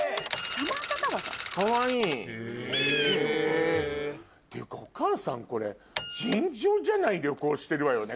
かわいい！っていうかお母さんこれ尋常じゃない旅行してるわよね